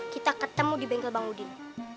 kita ketemu di bengkel bang udin